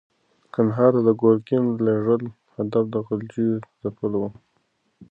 کندهار ته د ګورګین د لېږلو هدف د غلجیو ځپل ول.